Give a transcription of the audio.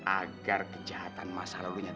agar kan person lesu